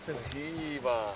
いいわ。